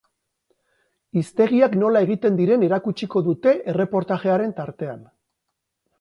Hiztegiak nola egiten diren erakutsiko dute erreportajearen tartean.